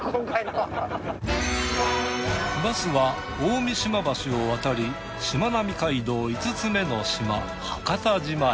バスは大三島橋を渡りしまなみ海道５つ目の島伯方島へ。